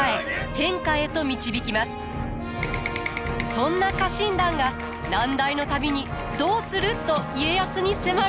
そんな家臣団が難題の度に「どうする」と家康に迫る。